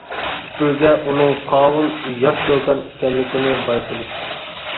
سۈپۈرگە ئۇنىڭ قاۋۇل، ياش چوكان ئىكەنلىكىنى بايقىدى.